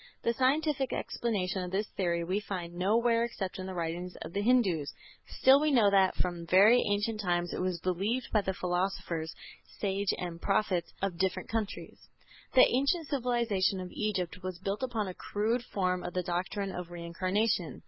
The scientific explanation of this theory we find nowhere except in the writings of the Hindus; still we know that from very ancient times it was believed by the philosophers, sages and prophets of different countries. The ancient civilization of Egypt was built upon a crude form of the doctrine of Reincarnation.